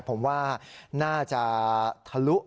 ผมว่าน่าจะทะลุ